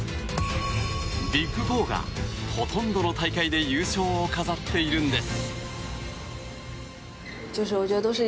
ビッグ４が、ほとんどの大会で優勝を飾っているんです。